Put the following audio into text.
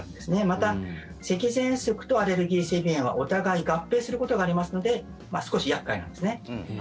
また、せきぜんそくとアレルギー性鼻炎はお互い合併することがありますので少し厄介なんですね。